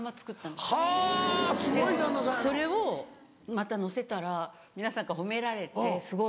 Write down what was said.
でそれをまた載せたら皆さんから褒められて「すごい！」